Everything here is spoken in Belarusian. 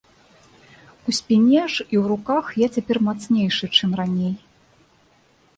У спіне ж і ў руках я цяпер мацнейшы, чым раней.